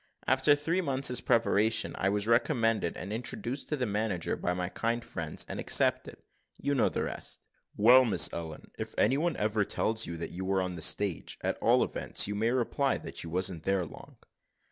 After three months' preparation I was recommended and introduced to the manager by my kind friends, and accepted. You know the rest." "Well, Miss Ellen, if any one ever tells you that you were on the stage, at all events you may reply that you wasn't there long."